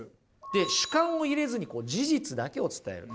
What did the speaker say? で主観を入れずに事実だけを伝える。